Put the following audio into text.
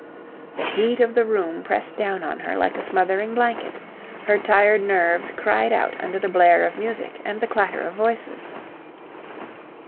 The heat of the room pressed down on her like a smothering blanket. Her tired nerves cried out under the blare of music and the clatter of voices.